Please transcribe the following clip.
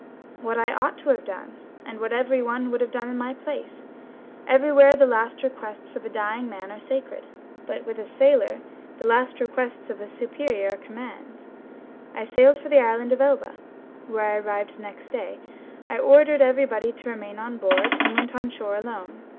"What I ought to have done, and what everyone would have done in my place. Everywhere the last requests of a dying man are sacred; but with a sailor the last requests of his superior are commands. I sailed for the Island of Elba, where I arrived the next day; I ordered everybody to remain on board, and went on shore alone.